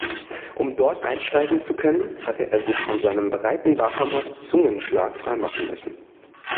Um dort einsteigen zu können, hatte er sich von seinem breiten Bahamas-Zungenschlag freimachen müssen.